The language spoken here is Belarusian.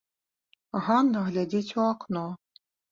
Ганна глядзіць у акно.